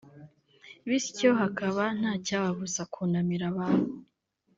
bityo hakaba nta cyababuza kunamira ababo